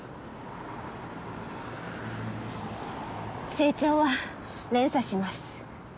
成長は連鎖します